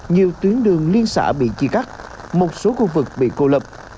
nhiều tuyến đường liên xã bị chia cắt một số khu vực bị cô lập